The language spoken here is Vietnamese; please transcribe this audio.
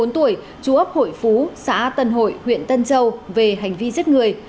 bốn mươi bốn tuổi chú ấp hội phú xã tân hội huyện tân châu về hành vi giết người